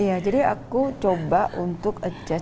iya jadi aku coba untuk adjust